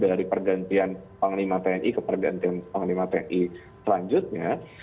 dari pergantian panglima tni ke pergantian panglima tni selanjutnya